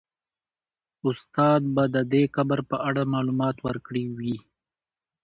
استاد به د دې قبر په اړه معلومات ورکړي وي.